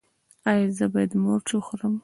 ایا زه باید مرچ وخورم؟